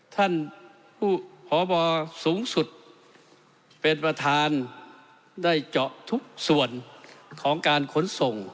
ท่านผู้พบสูงสุดเป็นประธานได้เจาะทุกส่วนของการขนส่ง